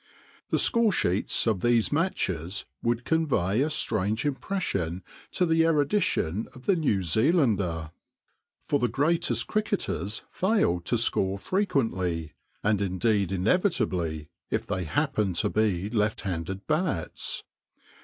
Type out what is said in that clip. The score sheets of these matches would convey a strange impression to the erudition of the New Zealander. For the greatest cricketers failed to score frequently, and, indeed, inevitably if they happend to be left handed bats.